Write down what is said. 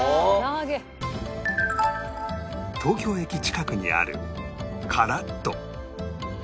東京駅近くにあるからっ鳥